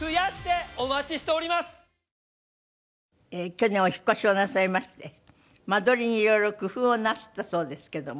去年お引っ越しをなさいまして間取りに色々工夫をなすったそうですけども。